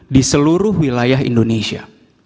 di seluruh wilayah indonesia